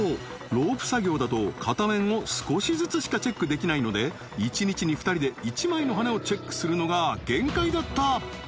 ロープ作業だと片面を少しずつしかチェックできないので一日に２人で１枚の羽根をチェックするのが限界だった